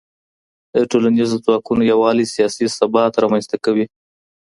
د ټولنيزو ځواکونو يووالی سياسي ثبات رامنځته کوي.